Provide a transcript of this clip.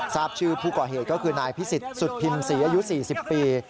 ทราบชื่อผู้ก่อเหตุก็คือนายพิสิทธิสุดพิมศรีอายุ๔๐ปี